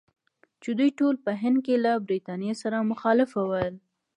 چې دوی ټول په هند کې له برټانیې سره مخالف ول.